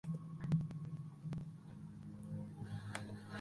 Otro artificio permitía imitar el sonido de la trompeta.